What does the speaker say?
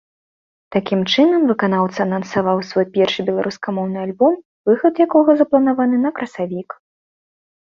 Такім чынам выканаўца анансаваў свой першы беларускамоўны альбом, выхад якога запланаваны на красавік.